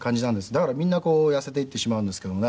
だからみんな痩せていってしまうんですけどね